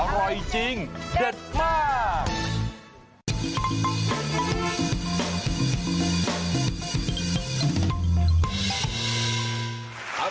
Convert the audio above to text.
อร่อยจริงเด็ดมาก